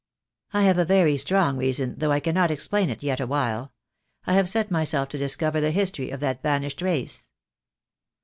"I have a very strong reason, though I cannot explain it yet awhile. I have set myself to discover the history of that banished race."